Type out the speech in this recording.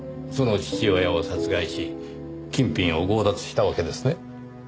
その父親を殺害し金品を強奪したわけですね？